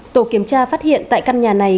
tổ kiểm tra phát hiện tại căn nhà này